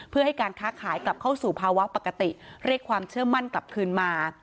เพื่อให้การค้าขายกลับเข้าสู่ภาวะปกติเรียกความเชื่อมั่นกลับคืนมา